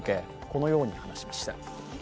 このように話しました。